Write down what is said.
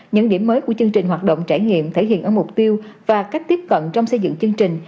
những điểm mới của chương trình hoạt động trải nghiệm thể hiện ở mục tiêu và cách tiếp cận trong xây dựng chương trình